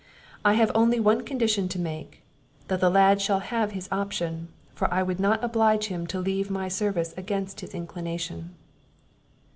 I have only one condition to make; that the lad shall have his option; for I would not oblige him to leave my service against his inclination."